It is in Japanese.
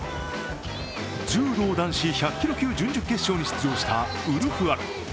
柔道男子１００キロ級準々決勝に出場したウルフアロン。